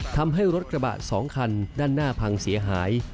ทำให้รถกระบะ๒คันด้านหน้าพังเสียหาย